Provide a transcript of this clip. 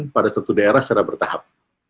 pada satu daerah secara bertahap